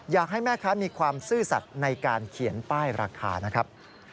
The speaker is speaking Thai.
อยากให้แม่ค้ามีความซื่อสัตว์ในการเขียนป้ายราคานะครับ